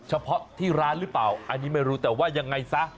เฉพาะที่ร้านหรือเปล่าอันนี้ไม่รู้แต่ว่ายังไงซะ